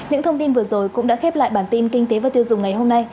những thông tin vừa rồi cũng đã khép lại bản tin kinh tế và tiêu dùng ngày hôm nay